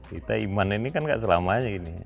kita iman ini kan gak selamanya gini